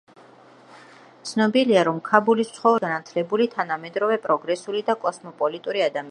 ცნობილია, რომ ქაბულის მცხოვრებნი იყვნენ უაღრესად განათლებული, თანამედროვე, პროგრესული და კოსმოპოლიტური ადამიანები.